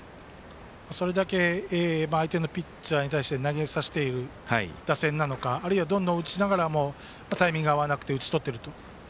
それだけ相手のピッチャーに対して投げさせている打線なのかあるいは、どんどん打ちながらもタイミング合わなくて打ち取っていると。